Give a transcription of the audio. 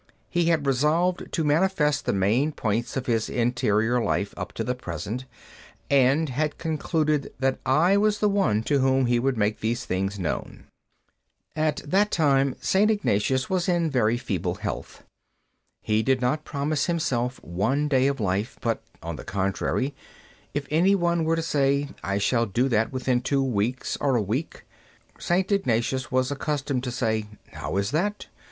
He had resolved to manifest the main points of his interior life up to the present, and had concluded that I was the one to whom he would make these things known. At that time St. Ignatius was in very feeble health. He did not promise himself one day of life, but, on the contrary, if any one were to say, "I shall do that within two weeks or a week," St. Ignatius was accustomed to say: "How is that?